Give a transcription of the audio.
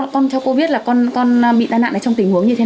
con cho cô biết là con bị tai nạn này trong tình huống như thế nào